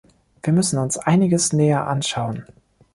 Wir müssen uns einiges näher anschauen.